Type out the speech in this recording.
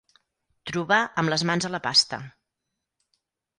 Trobar amb les mans a la pasta.